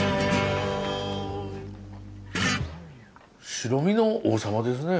白身の王様ですね。